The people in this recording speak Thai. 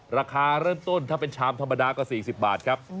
ราคาเริ่มต้นถ้าเป็นชามธรรมดาก็๔๐บาทครับ